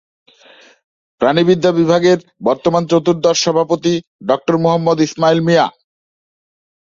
প্রাণিবিদ্যা বিভাগের বর্তমান চতুর্দশ সভাপতি ডক্টর মোহাম্মদ ইসমাইল মিয়া।